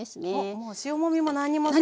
もう塩もみも何にもせず？